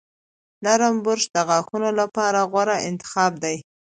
نرم برش د غاښونو لپاره غوره انتخاب دی.